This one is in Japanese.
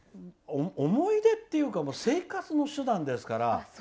思い出っていうか生活の手段ですから。